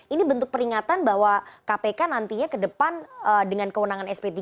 ini bentuk peringatan bahwa kpk nantinya ke depan dengan kewenangan sp tiga